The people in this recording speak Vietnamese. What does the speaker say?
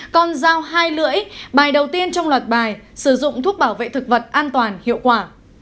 con dao hai lưỡi bài đầu tiên trong loạt bài sử dụng thuốc bảo vệ thực vật an toàn hiệu quả